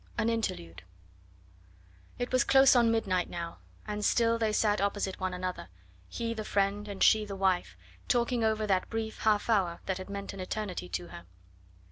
AN INTERLUDE It was close on midnight now, and still they sat opposite one another, he the friend and she the wife, talking over that brief half hour that had meant an eternity to her.